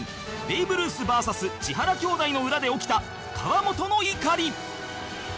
ベイブルース ＶＳ 千原兄弟の裏で起きた河本の怒り